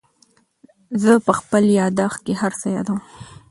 زه په خپل یادښت کې هر څه یادوم.